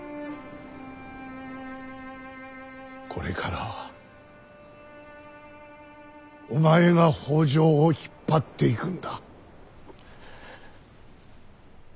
これからはお前が北条を引っ張っていくんだ。